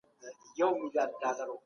د سرچینو کمښت د نوښت له لاري جبرانېږي.